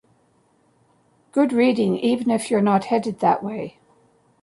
Good reading even if you're not headed that way.